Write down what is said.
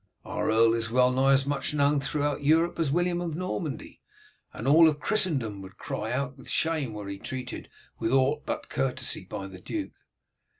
"Our earl is well nigh as much known throughout Europe as William of Normandy, and all Christendom would cry out with shame were he treated with ought but courtesy by the duke."